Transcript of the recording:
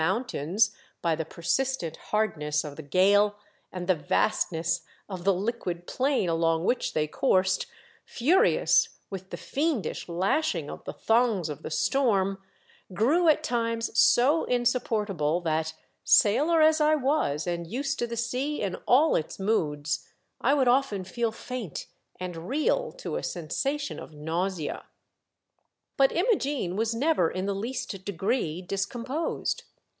mountains by the persistent hardness of the gale and the vastness of the Hquid plain along which they coursed, furious with the fiendish lashing of the thongs of the storm, grew at times so insupportable that, sailor as I was and used to the sea in all its moods, I would often feel faint and reel to a sensation of nausea. But Imogene was never in the least degree discomposed.